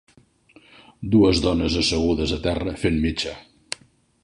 Dues dones assegudes a terra fent mitja.